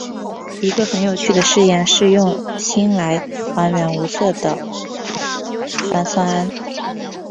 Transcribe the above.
一个很有趣的试验是用锌来还原无色的钒酸铵。